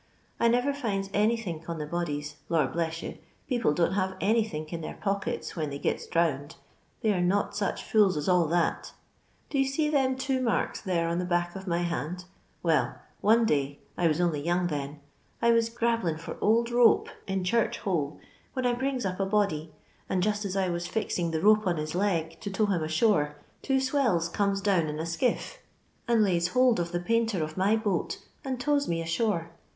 I never finds anythink on the bodies. Lor bleu you t people don't have anythink in their pockets when they giu drowned, they are not such fools as all that Do you ste t^em two marks there on the back of my hand 1 Well, one day — I was on'y young then — I was grabblin' for old rope in Church Hole, when I brungs up a body, and just as I was fixing the rope on his leg to tow him ashore, two swells comes down in a skiff, and lays hold of the painter of my boat, and tows me ashore.